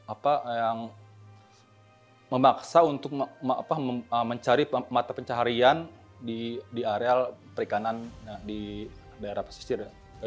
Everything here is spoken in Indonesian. apa yang memaksa untuk memaafkan mencari pemata pencarian di di areal perikanan di daerah pesisir